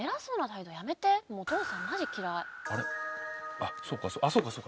あっそうかそうかそうか。